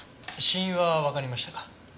死因はわかりましたか？